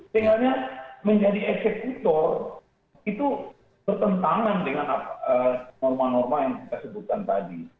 tinggalnya menjadi eksekutor itu bertentangan dengan norma norma yang kita sebutkan tadi